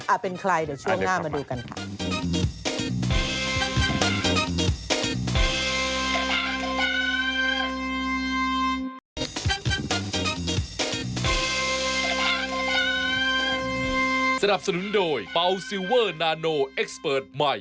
เป็นใครเดี๋ยวช่วงหน้ามาดูกันค่ะ